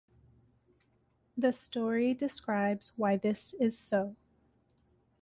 The story describes why this is so.